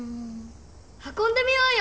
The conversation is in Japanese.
はこんでみようよ！